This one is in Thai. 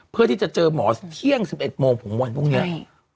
เพื่อที่จะเจอหมอเที่ยง๑๑โมงของวันพรุ่งนี้